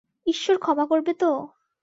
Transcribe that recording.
ঈশ্বর ক্ষমা করবে তো?